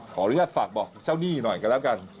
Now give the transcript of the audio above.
ขออนุญาตฝากบอกเจ้าหนี้หน่อยกันแล้วกัน